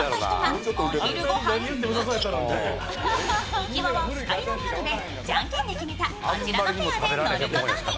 浮き輪は２人乗りなのでじゃんけんで決めたこちらのペアで乗ることに。